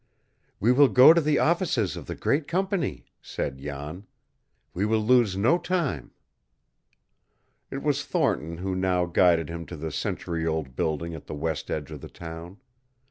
"We will go to the offices of the great company," said Jan. "We will lose no time." It was Thornton now who guided him to the century old building at the west edge of the town.